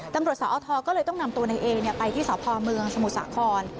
ตำรวจสอธก็เลยต้องนำตัวในเอไปที่สพเมืองสศฮ